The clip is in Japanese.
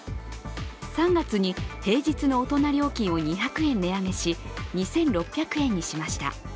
３月に平日の大人料金を２００円値上げし、２６００円にしました。